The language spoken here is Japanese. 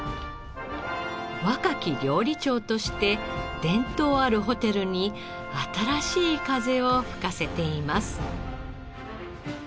若き料理長として伝統あるホテルに新しい風を吹かせています。